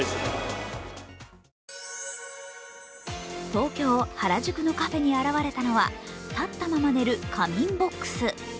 東京・原宿のカフェに現れたのは立ったまま寝る仮眠ボックス。